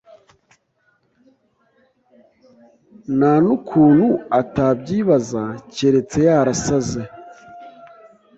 Ntanukuntu atabyibaza keretse yarasaze